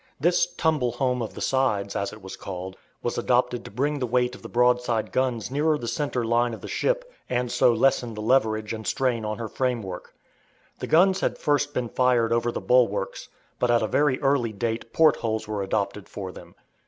This "tumble home" of the sides, as it was called, was adopted to bring the weight of the broadside guns nearer the centre line of the ship, and so lessen the leverage and strain on her framework. The guns had first been fired over the bulwarks, but at a very early date port holes were adopted for them.